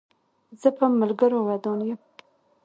زه په ملګرو ودان یم.